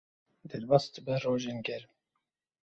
Derbas dibe rojên germ.